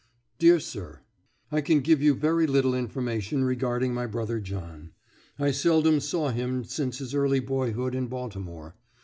DEAR SIR: I can give you very little information regarding my brother John. I seldom saw him since his early boyhood in Baltimore.